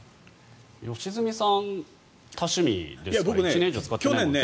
良純さん多趣味ですよね。